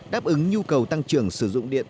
đáp ứng nhu cầu tăng trưởng sử dụng điện